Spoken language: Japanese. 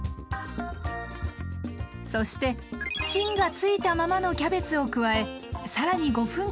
そして芯がついたままのキャベツを加え更に５分間火を入れます。